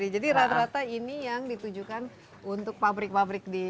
jadi rata rata ini yang ditujukan untuk pabrik pabrik di